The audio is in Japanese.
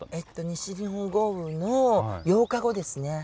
西日本豪雨の８日後ですね。